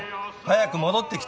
早く戻ってきて。